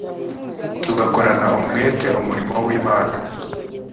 tugakorana umwete umurimo w imana